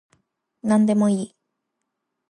なんでもいい